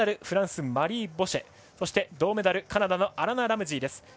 フランスのマリー・ボシェそして、銅メダルカナダのアラナ・ラムジーです。